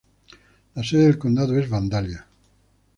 La sede del condado es Vandalia.